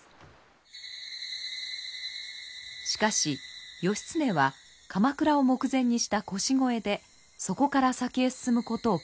しかし義経は鎌倉を目前にした腰越でそこから先へ進むことを禁じられます。